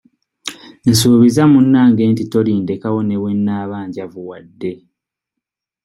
Nsuubiza munnange nti tolindekawo ne bwe nnaaba njavuwadde.